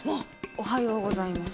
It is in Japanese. おはようございます。